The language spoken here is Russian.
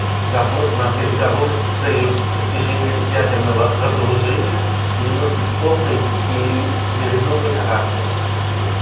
Запрос на переговоры с целью достижения ядерного разоружения не носит спорный или нерезонный характер.